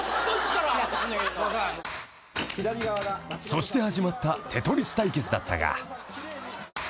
［そして始まったテトリス対決だったが］